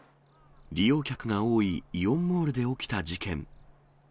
利用客が多いイオンモールで起きた事件。